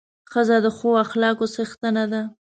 ښځه د ښو اخلاقو څښتنه ده.